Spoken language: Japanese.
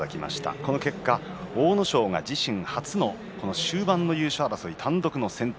この結果、阿武咲が自身初の終盤の優勝争いの単独先頭。